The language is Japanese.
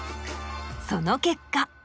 その結果。